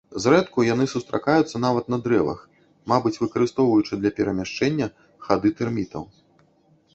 Зрэдку яны сустракаюцца нават на дрэвах, мабыць выкарыстоўваючы для перамяшчэння хады тэрмітаў.